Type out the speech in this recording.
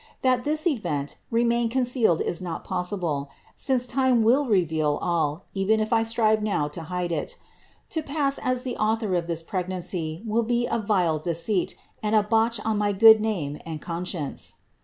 That this event remain concealed is not possible; since time will reveal all, even if I strive now to hide it. To pass as the author of this pregnancy will be a vile deceit and a blotch on my good name and con science.